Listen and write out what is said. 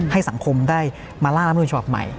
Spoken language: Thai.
ให้สังคมได้มาล่างรัฐธรรมนุนเป็นฉบับใหม่